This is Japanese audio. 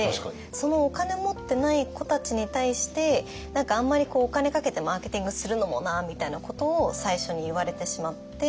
「そのお金持ってない子たちに対して何かあんまりお金かけてマーケティングするのもな」みたいなことを最初に言われてしまって。